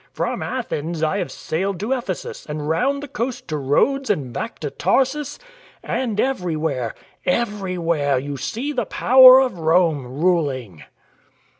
From Athens I have sailed to Ephesus and round the coast to Rhodes and back to Tarsus. And everywhere — everywhere you sec the power of Rome ruling."